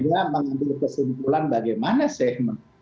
saya mengambil kesimpulan bagaimana sih